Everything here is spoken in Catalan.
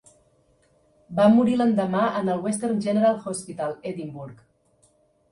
Va morir l'endemà en el Western General Hospital, Edimburg.